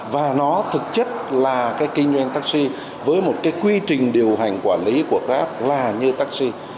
và nó thực chất là cái kinh doanh taxi với một cái quy trình điều hành quản lý của grab là như taxi